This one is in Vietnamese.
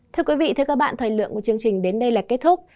thưa quý vị thời lượng của chương trình đến đây là kết thúc